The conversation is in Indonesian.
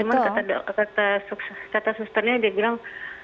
cuma kata susternya dia bilang